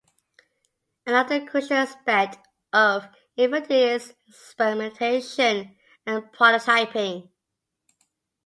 Another crucial aspect of inventing is experimentation and prototyping.